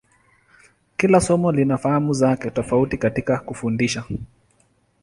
Kila somo lina fahamu zake tofauti katika kufundisha.